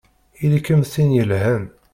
Ili-kem d tin yelhan!